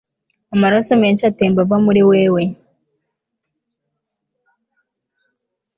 Amaraso menshi atemba ava muri wewe